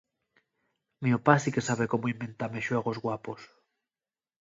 Mio pá sí que sabe cómo inventame xuegos guapos.